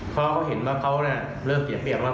เขาก็เห็นว่าเขาเนี่ยเลิกเสียเปียกแล้ว